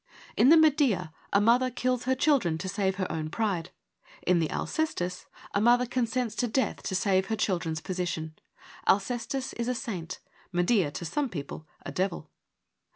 In the Medea a mother kills her children to save her own pride : in the Alcestis a mother I til FEMINISM IN GREEK LITERATURE consents to death to save her children's position. Alcestis is a saint : Medea — to some people— a devil.